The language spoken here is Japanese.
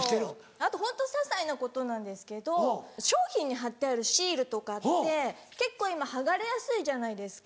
あとホントささいなことなんですけど商品に貼ってあるシールとかって結構今剥がれやすいじゃないですか。